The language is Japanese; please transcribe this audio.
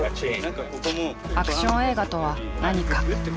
アクション映画とは何か。